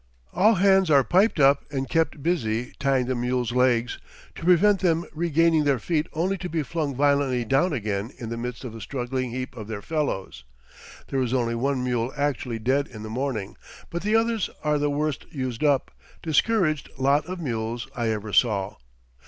All hands are piped up and kept busy tying the mules' legs, to prevent them regaining their feet only to be flung violently down again in the midst of a struggling heap of their fellows. There is only one mule actually dead in the morning, but the others are the worst used up, discouraged lot of mules I ever saw.